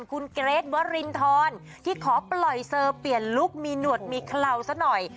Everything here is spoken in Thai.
คุณเกรทวรินทรที่ขอปล่อยเซอร์เปลี่ยนลุคมีหนวดมีเคลาซะหน่อย